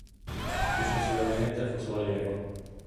Successivamente fu suo allievo.